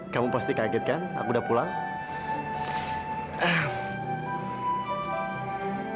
kamu pasti kaget kan aku udah pulang